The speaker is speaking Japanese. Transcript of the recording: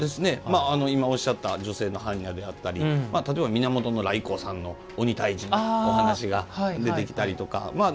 今、おっしゃった女性の般若であったり例えば源頼光さんの鬼退治のお話が出てきたりとか。